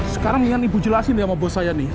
sekarang ingin ibu jelasin ya sama bos saya nih